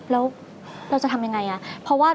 แล้วเราจะทำยังไง